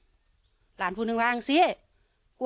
ภรรยาก็บอกว่านายเทวีอ้างว่าไม่จริงนายทองม่วนขโมย